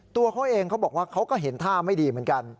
ตัวเขาเองเขาบอกว่าเขาก็เห็นท่าไม่ดีเหมือนกัน